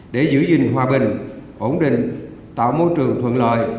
để giữ gìn hòa bình ổn định tạo môi trường thuận lợi